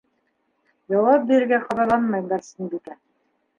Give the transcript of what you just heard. Яуап бирергә ҡабаланмай Барсынбикә.